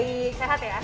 baik sehat ya